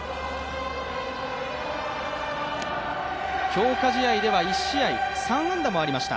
強化試合では１試合３安打もありました。